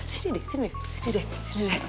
sini deh sini deh